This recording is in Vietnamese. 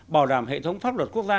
bảo đảm hệ thống pháp luật quốc gia